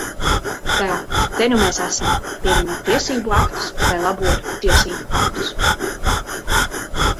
Tā, te nu mēs esam, pieņemot tiesību aktus, lai labotu tiesību aktus.